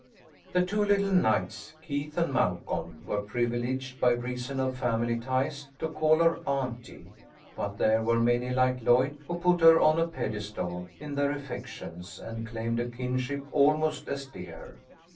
The two little knights, Keith and Malcolm, were privileged, by reason of family ties, to call her auntie, but there were many like Lloyd who put her on a pedestal in their affections, and claimed a kinship almost as dear.